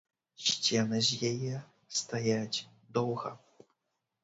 Сцены з яе стаяць доўга.